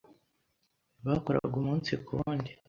Bakoraga umunsi ku wundi.